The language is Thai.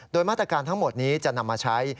โดยมาตรการทั้งหมดนี้จะนำมาใช้